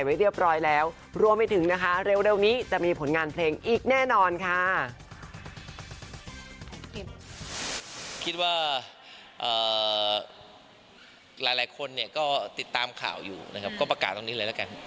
คิดว่าหลายคนเนี่ยก็ติดตามข่าวอยู่นะครับก็ประกาศตรงนี้เลยละกัน